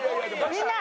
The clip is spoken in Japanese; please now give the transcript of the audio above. みんな！